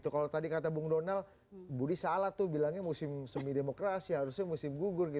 kalau tadi kata bung donal budi salah tuh bilangnya musim semi demokrasi harusnya musim gugur